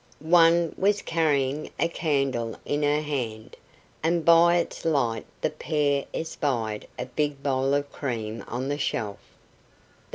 One was carrying a candle in her hand, and by its light the pair espied a big bowl of cream on the shelf.